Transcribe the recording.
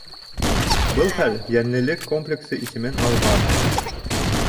Был хәл «йәнлелек комплексы» исемен алған.